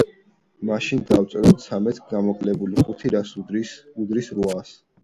მაშინ, დავწეროთ ცამეტს გამოკლებული ხუთი რას უდრის? უდრის რვას.